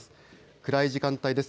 暗い時間帯です。